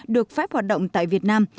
được phép hoạt động tại việt nam